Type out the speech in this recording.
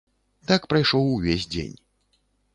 Так прайшоў увесь дзень.